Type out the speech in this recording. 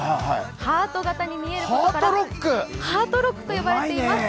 ハート形に見えるこちらはハートロックと呼ばれています。